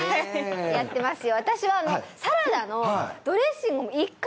やってますよ